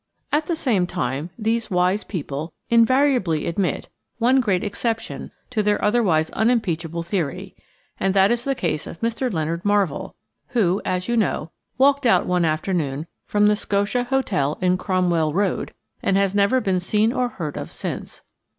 At the same time these wise people invariably admit one great exception to their otherwise unimpeachable theory, and that is the case of Mr. Leonard Marvell, who, as you know, walked out one afternoon from the Scotia Hotel in Cromwell Road and has never been seen or heard of since.